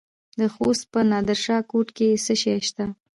د خوست په نادر شاه کوټ کې څه شی شته؟